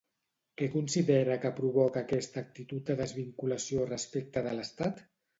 Què considera que provoca aquesta actitud de desvinculació respecte de l'estat?